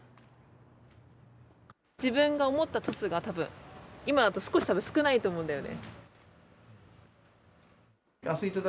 自分が思ったトスがたぶん、いまだと少したぶん少ないと思うんだよね。